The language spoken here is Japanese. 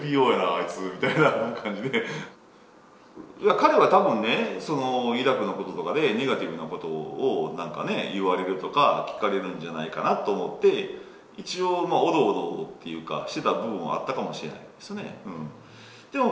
彼は多分ねイラクのこととかでネガティブなことを言われるとか聞かれるんじゃないかなと思って一応おどおどっていうかしてた部分はあったかもしれないですね。